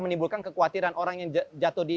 menimbulkan kekhawatiran orang yang jatuh di